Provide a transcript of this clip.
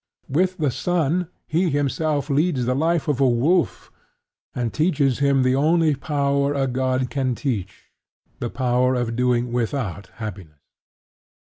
With the son he himself leads the life of a wolf, and teaches him the only power a god can teach, the power of doing without happiness.